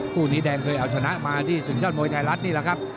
คู่นี้แดงเคยเอาชนะมาที่ศึกยอดมวยไทยรัฐนี่แหละครับ